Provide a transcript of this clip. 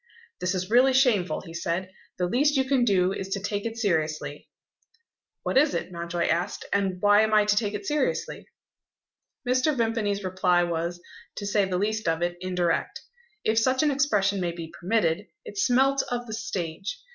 "This is really shameful," he said. "The least you can do is to take it seriously." "What is it?" Mountjoy asked. "And why am I to take it seriously?" Mr. Vimpany's reply was, to say the least of it, indirect. If such an expression may be permitted, it smelt of the stage.